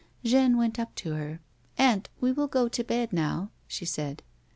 Jeanne went up to her ; "Aunt, we will g o to bed now," she said.